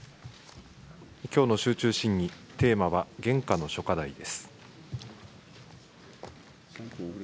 きょうの集中審議、テーマは現下の諸課題です。